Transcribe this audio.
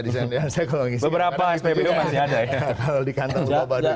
beberapa spbo masih ada